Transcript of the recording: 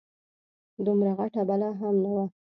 دومره غټه بلا هم نه وه.